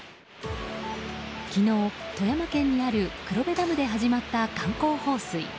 昨日、富山県にある黒部ダムで始まった観光放水。